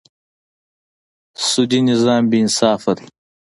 سودي نظام بېانصافه دی.